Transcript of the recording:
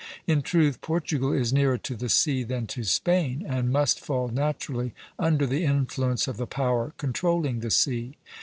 In truth, Portugal is nearer to the sea than to Spain, and must fall naturally under the influence of the power controlling the sea.